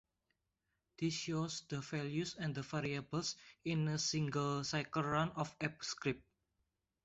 This shows the values and the variables in a single cycle run of ApeScript.